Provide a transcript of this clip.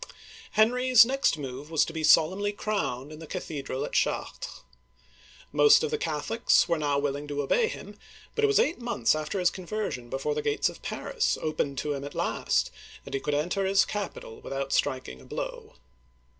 Henry*s next move was to be solemnly crowned in the cathedral at Chartres (shar'tr'). Most of the Catholics were now willing to obey him, but it was eight months after his conversion before the gates of Paris opened to him at last, and he could enter his capital without strik ing a blow.